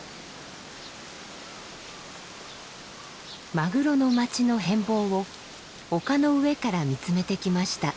マグロの町の変貌を丘の上から見つめてきました。